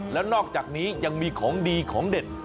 แล้วนอกจากนี้ยังมีของดีของเด็ด